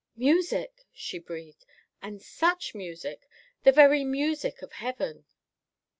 "Music," she breathed, "and such music! The very music of Heaven!"